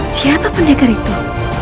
siapa pendekar itu